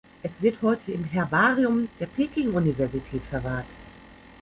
Es wird heute im Herbarium der Peking-Universität verwahrt.